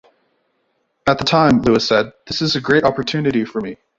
At the time, Lewis said: This is a great opportunity for me.